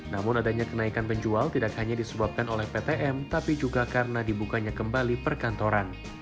namun adanya kenaikan penjual tidak hanya disebabkan oleh ptm tapi juga karena dibukanya kembali perkantoran